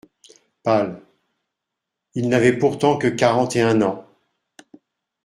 Pal.) Il n'avait pourtant que quarante et un an.